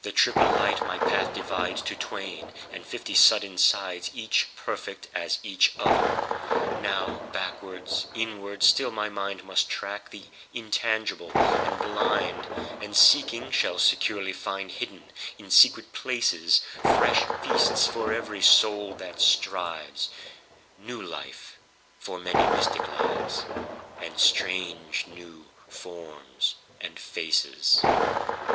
The triple light my path dividesTo twain and fifty sudden sidesEach perfect as each other. Now backwards, inwards still my mindMust track the intangible and blind, And seeking, shall securely findHidden in secret placesFresh feasts for every soul that strives, New life for many mystic lives, And strange new forms and faces.